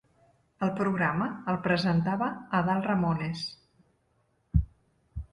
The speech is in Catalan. El programa el presentava Adal Ramones.